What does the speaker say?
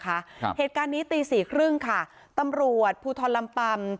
ครับเหตุการณ์นี้ตีสี่ครึ่งค่ะตำรวจภูทรลำปำ